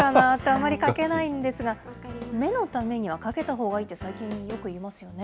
あまりかけないんですが、目のためにはかけたほうがいいって、最近よく言いますよね。